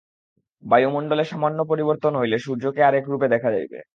বায়ুমণ্ডলে সামান্য পরিবর্তন হইলে সূর্যকে আর এক রূপে দেখা যাইবে।